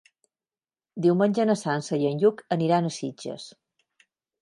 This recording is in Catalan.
Diumenge na Sança i en Lluc aniran a Sitges.